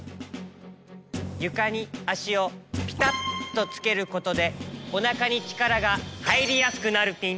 ゆかにあしをピタッとつけることでおなかにちからがはいりやすくなるピン。